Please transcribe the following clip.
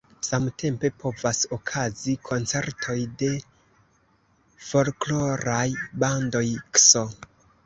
Samtempe povas okazi koncertoj de folkloraj bandoj ks.